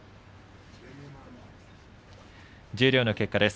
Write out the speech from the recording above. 十両の結果です。